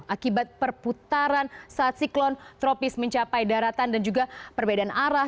akibat perputaran saat siklon tropis mencapai daratan dan juga perbedaan arah